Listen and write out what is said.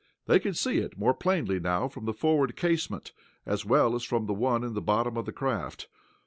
They could see it more plainly now, from the forward casement, as well as from the one in the bottom of the craft.